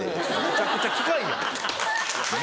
めちゃくちゃ機械やん！